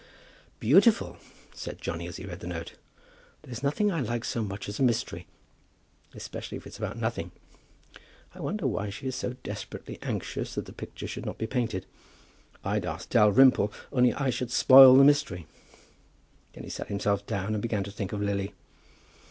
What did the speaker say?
"Beautiful!" said Johnny, as he read the note. "There's nothing I like so much as a mystery, especially if it's about nothing. I wonder why she is so desperately anxious that the picture should not be painted. I'd ask Dalrymple, only I should spoil the mystery." Then he sat himself down, and began to think of Lily.